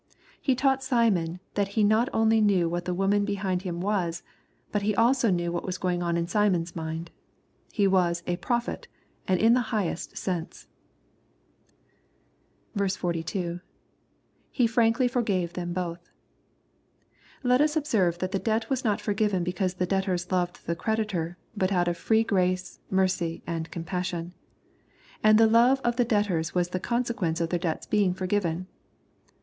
He taught Smion that He not only knew who the woman behind Him wasy but that He also knew what was going on in Simon's mind. He was " a prophet," and in the highest sense. 42. — [He frnnJcly forgave them both.] Let us observe that the debt was not forgiven because the debtors loved their creditor, but out of free grace, mercy and compassion. And the love of the debtors was the consequence of their debts being forgiven.